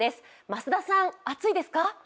増田さん、暑いですか？